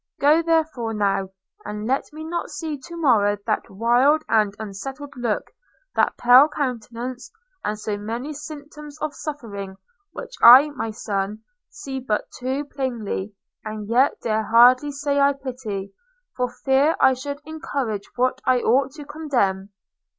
Go, therefore, now – and let me not see to morrow that wild and unsettled look, that pale countenance, and so many symptoms of suffering, which I, my son, see but too plainly, and yet dare hardly say I pity, for fear I should encourage what I ought to condemn.'